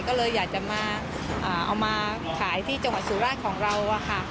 ก็เลยอยากจะมาเอามาขายที่จังหวัดสุราชของเราค่ะ